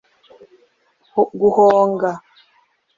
Guhonga